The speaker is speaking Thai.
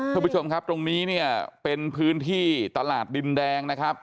คุณผู้ชมครับตรงนี้เนี่ยเป็นพื้นที่ตลาดดินแดงนะครับ